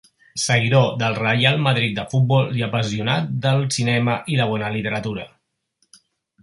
Seguidor del Reial Madrid de futbol i apassionat del cinema i la bona literatura.